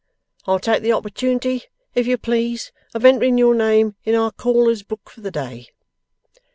I'll take the opportunity, if you please, of entering your name in our Callers' Book for the day.